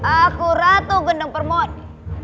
aku ratu gendong permoni